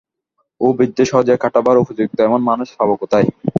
ও-বিদ্যে সহজে খাটাবার উপযুক্ত এমন মানুষ পাব কোথায়?